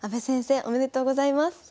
おめでとうございます。